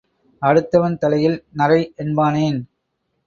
அடுத்தவன் தலையில் நரை என்பானேன்?